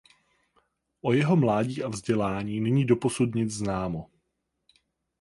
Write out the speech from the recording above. O jeho mládí a vzdělaní není doposud nic známo.